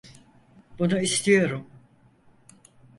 Bunu istiyorum.